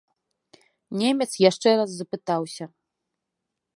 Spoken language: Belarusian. Немец яшчэ раз запытаўся.